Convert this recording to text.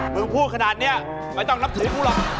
พูดขนาดนี้ไม่ต้องนับถือกูหรอก